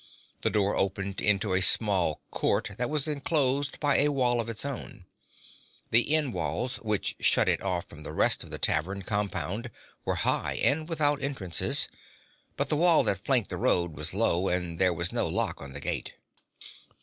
The door opened into a small court that was enclosed by a wall of its own. The end walls, which shut it off from the rest of the tavern compound, were high and without entrances; but the wall that flanked the road was low, and there was no lock on the gate.